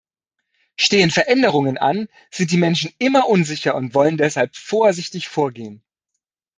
Stehen Veränderungen an, sind die Menschen immer unsicher und wollen deshalb vorsichtig vorgehen.